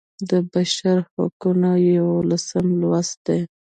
د بشر حقونه یوولسم لوست دی.